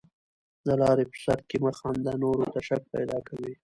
د لاري په سر کښي مه خانده، نورو ته شک پیدا کوې.